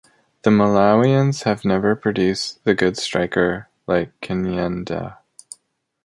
The Malawians have never produce the good striker like Kanyenda.